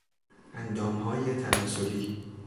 اندامهای تناسلی